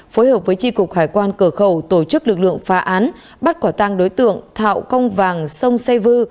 phối hợp với tri cục hải quan cờ khẩu tổ chức lực lượng phá án bắt quả tăng đối tượng thạo công vàng sông xe vư